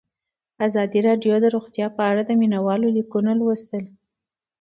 ازادي راډیو د روغتیا په اړه د مینه والو لیکونه لوستي.